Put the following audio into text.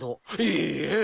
いいえ。